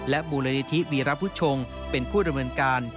และบูรณิธิวีรพุทธชงเป็นผู้ดำเนินการ